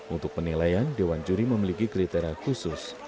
untuk penilaian dewan juri memiliki kriteria khusus